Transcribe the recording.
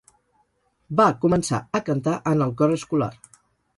Va començar a cantar en el cor escolar.